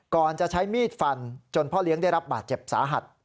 ก่อนจะใช้มีดฟันจนพ่อเลี้ยงได้รับบาดเจ็บสาหัส